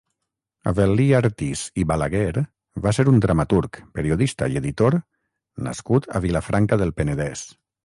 Avel·lí Artís i Balaguer va ser un dramaturg, periodista i editor nascut a Vilafranca del Penedès.